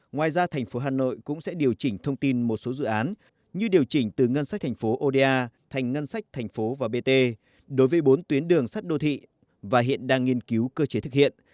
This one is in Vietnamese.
ngoài ra tp hà nội cũng sẽ điều chỉnh thông tin một số dự án như điều chỉnh từ ngân sách tp oda thành ngân sách tp và bt đối với bốn tuyến đường sắt đô thị và hiện đang nghiên cứu cơ chế thực hiện